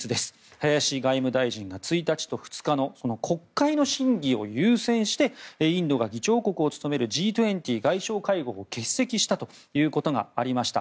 林外務大臣が１日と２日の国会の審議を優先してインドが議長国を務めるＧ２０外相会合を欠席したということがありました。